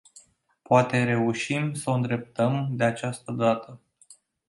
Poate reușim să o îndreptăm, de această dată.